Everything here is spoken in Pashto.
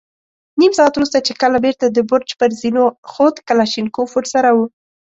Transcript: نيم ساعت وروسته چې کله بېرته د برج پر زينو خوت، کلاشينکوف ور سره و.